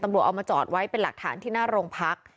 เอามาจอดไว้เป็นหลักฐานที่หน้าโรงพัก